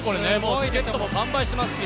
チケットも完売していますし。